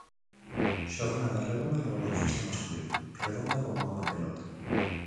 Xornada redonda no baloncesto masculino Redonda como unha pelota.